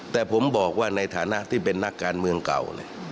แต่ผมบอกว่าในฐานะที่เป็นนักการเมืองเก่า